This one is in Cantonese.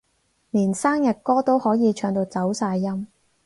連生日歌都可以唱到走晒音